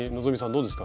どうですか？